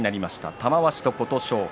玉鷲と琴勝峰。